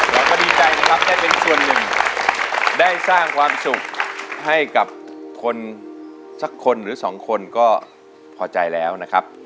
เราก็ดีใจนะครับได้เป็นส่วนหนึ่งได้สร้างความสุขให้กับคนสักคนหรือสองคนก็พอใจแล้วนะครับ